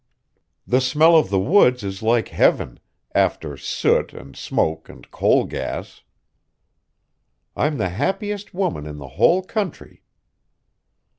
The smell of the woods is like heaven, after soot and smoke and coal gas. I'm the happiest woman in the whole country."